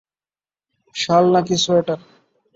শাল নাকি সোয়েটার?